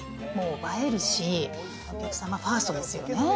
映えるし、お客様ファーストですよね。